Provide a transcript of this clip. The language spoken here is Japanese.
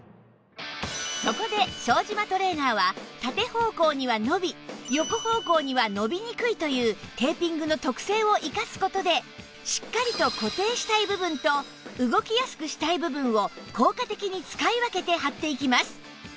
そこで庄島トレーナーは縦方向には伸び横方向には伸びにくいというテーピングの特性を生かす事でしっかりと固定したい部分と動きやすくしたい部分を効果的に使い分けて貼っていきます